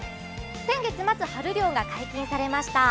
先月末、春漁が解禁されました。